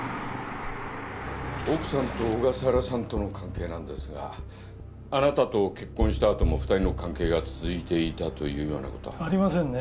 奥さんと小笠原さんとの関係なんですがあなたと結婚した後も２人の関係が続いていたというようなことは？ありませんね。